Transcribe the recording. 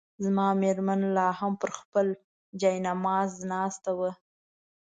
زما مېرمن لا هم پر خپل جاینماز ناست وه.